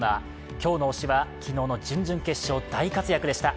今日の推しは昨日の準々決勝、大活躍でした。